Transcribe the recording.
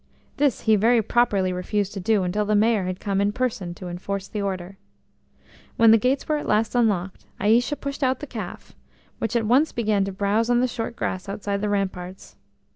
This he very properly refused to do until the Mayor had come in person to enforce the order. When the gates were at last unlocked, Aïcha pushed out the calf, which at once began to browse on the short grass outside the ramparts.